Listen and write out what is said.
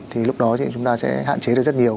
thì lúc đó thì chúng ta sẽ hạn chế được rất nhiều